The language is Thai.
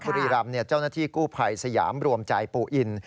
บุรีรำเจ้าหน้าที่กู้ภัยสยามรวมใจปู่อิน